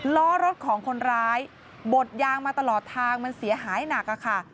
ล้อรถของคนร้ายบดยางมาตลอดทางมันเสียหายหนักค่ะ